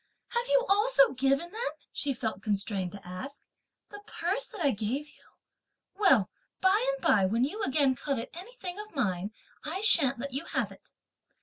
"Have you also given them," she felt constrained to ask, "the purse that I gave you? Well, by and by, when you again covet anything of mine, I shan't let you have it."